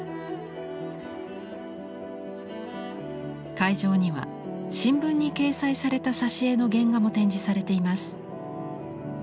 会場には新聞に掲載された挿絵の原画も展示されています。